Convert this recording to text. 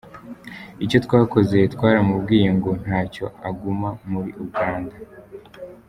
Icyo twakoze twaramubwiye ngo ntacyo aguma muri Uganda.